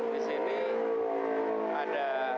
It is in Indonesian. di sini ada